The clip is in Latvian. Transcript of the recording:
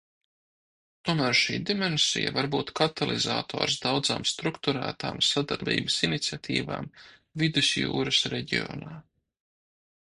Tomēr šī dimensija var būt katalizators daudzām strukturētām sadarbības iniciatīvām Vidusjūras reģionā.